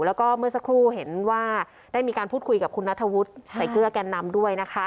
แล้วก็เมื่อสักครู่เห็นว่าได้มีการพูดคุยกับคุณนัทธวุฒิใส่เกลือแกนนำด้วยนะคะ